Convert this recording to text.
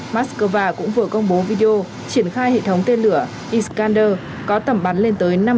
moscow cũng vừa công bố video triển khai hệ thống tên lửa iskander có tẩm bắn lên tới